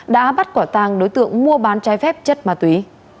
đã bắt quả tàng đối tượng mua bán trái phép chất ma túy